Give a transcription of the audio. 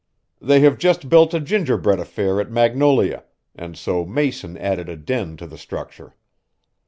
They have just built a gingerbread affair at Magnolia, and so Mason added a den to the structure.